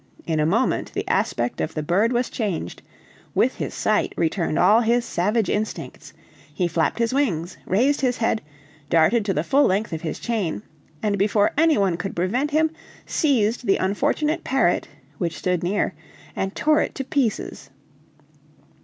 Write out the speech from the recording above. In a moment the aspect of the bird was changed; with his sight returned all his savage instincts, he flapped his wings, raised his head, darted to the full length of his chain, and before any one could prevent him seized the unfortunate parrot, which stood near, and tore it to pieces.